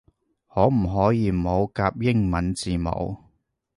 可唔可以唔好夾英文字母